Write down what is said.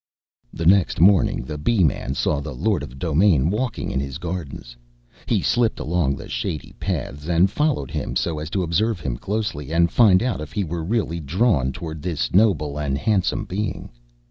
The next morning, the Bee man saw the Lord of the Domain walking in his gardens. He slipped along the shady paths, and followed him so as to observe him closely, and find out if he were really drawn toward this noble and handsome being.